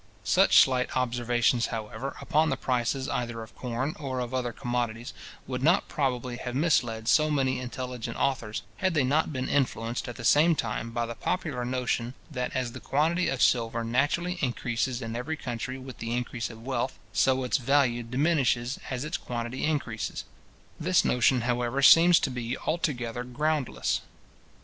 Such slight observations, however, upon the prices either of corn or of other commodities, would not probably have misled so many intelligent authors, had they not been influenced at the same time by the popular notion, that as the quantity of silver naturally increases in every country with the increase of wealth, so its value diminishes as its quantity increases. This notion, however, seems to be altogether groundless.